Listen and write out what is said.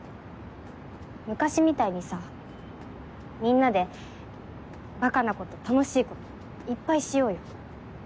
昔みたいにさみんなでバカなこと楽しいこといっぱいしようよ。